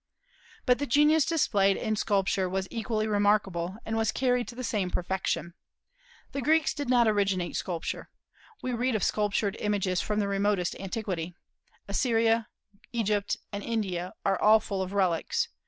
But the genius displayed in sculpture was equally remarkable, and was carried to the same perfection. The Greeks did not originate sculpture. We read of sculptured images from remotest antiquity. Assyria, Egypt, and India are full of relics.